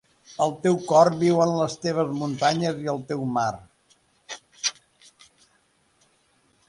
El teu cor viu en les teves muntanyes i el teu mar.